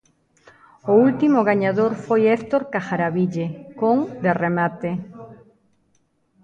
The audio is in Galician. O último gañador foi Héctor Cajaraville, con 'De remate'.